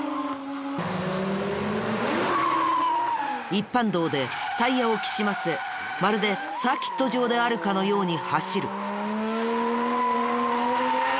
一般道でタイヤをきしませまるでサーキット場であるかのように走る。